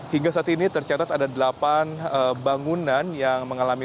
hingga saat ini tercatat ada delapan bangunan yang mengalami